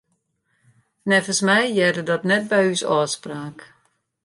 Neffens my hearde dat net by ús ôfspraak.